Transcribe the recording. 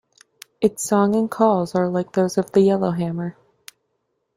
Its song and calls are like those of the yellowhammer.